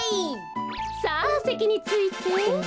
さあせきについて。